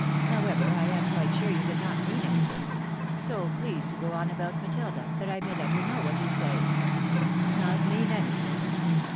However, I am quite sure you did not mean anything : so please to go on about Matilda, that I may let her know what you say." " Not mean anything